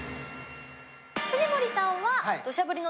藤森さんは。